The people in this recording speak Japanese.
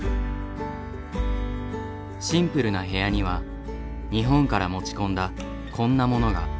シンプルな部屋には日本から持ち込んだこんなものが。